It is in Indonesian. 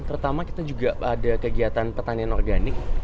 pertama kita juga ada kegiatan pertanian organik